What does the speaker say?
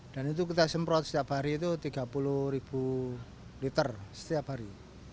dan itu kita semprot setiap hari itu tiga puluh ribu liter setiap hari